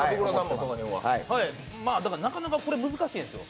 なかなかこれ、難しいんですよ。